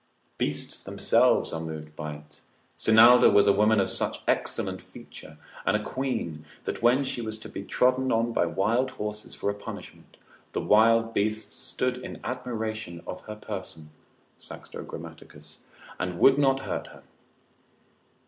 Beasts themselves are moved with it. Sinalda was a woman of such excellent feature, and a queen, that when she was to be trodden on by wild horses for a punishment, the wild beasts stood in admiration of her person, (Saxo Grammaticus lib. 8. Dan. hist.) and would not hurt her.